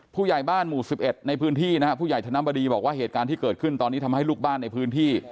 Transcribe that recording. ผู้ใหญ่บ้านหมู่๑๑ในพื้นที่นะฮะผู้ใหญ่ธนบดีบอกว่าเหตุการณ์ที่เกิดขึ้นตอนนี้ทำให้ลูกบ้านในพื้นที่